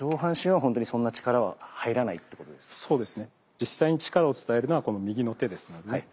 実際に力を伝えるのはこの右の手ですのでね。